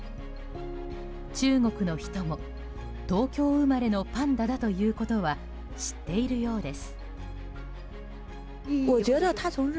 中国の人も、東京生まれのパンダだということは知っているようです。